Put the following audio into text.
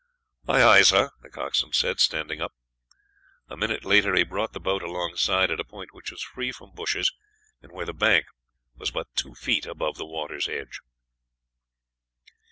"Aye, aye, sir!" the coxswain said, standing up. A minute later he brought the boat alongside, at a point which was free from bushes, and where the bank was but two feet above the water's edge.